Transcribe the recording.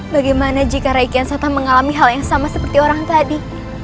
bagaimana jika raikian sata mengalami hal yang sama seperti orang tadi